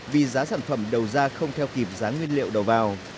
vì giá sản phẩm đầu ra không theo kịp giá nguyên liệu đầu vào